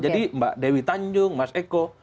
jadi mbak dewi tanjung mas eko